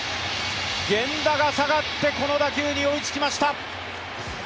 源田が下がってこの打球に追いつきました。